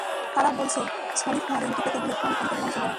তারা বলছে, সনি ফোনের ওয়ারেন্টি পেতে হলে ফোন পানিতে ডুবানো চলবে না।